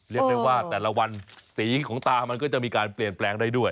เรียกได้ว่าแต่ละวันสีของตามันก็จะมีการเปลี่ยนแปลงได้ด้วย